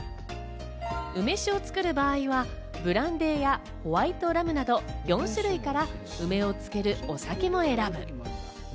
梅酒を作る場合はブランデーやホワイトラムなど４種類から梅を漬けるお酒も選ぶ。